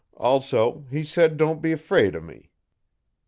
Also he said don't be 'fraid of me.